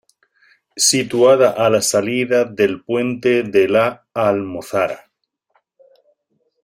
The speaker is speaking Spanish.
Situada a la salida del puente de la Almozara.